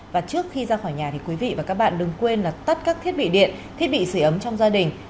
và trước khi ra khỏi nhà thì quý vị và các bạn đừng quên là tắt các thiết bị điện thiết bị xử ấm trong gia đình